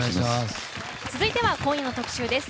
続いては今夜の特集です。